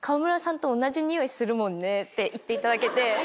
って言っていただけて。